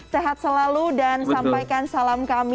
sehat selalu dan sampaikan salam kami